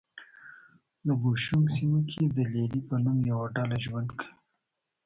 د بوشونګ سیمه کې د لې لې په نوم یوه ډله ژوند کوي.